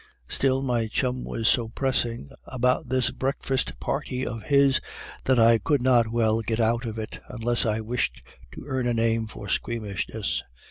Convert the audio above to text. Still, my chum was so pressing about this breakfast party of his that I could not well get out of it, unless I wished to earn a name for squeamishness.